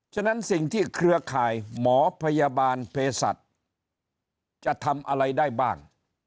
ฉะนั้นสิ่งที่เครือข่ายหมอพยาบาลเพศัตริย์จะทำอะไรได้บ้าง